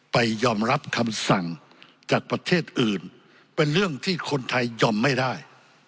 ไปยอมรับคำสั่งจากประเทศอื่นเป็นเรื่องที่คนไทยยอมไม่ได้